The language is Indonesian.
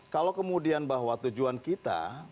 kalau kemudian bahwa tujuan kita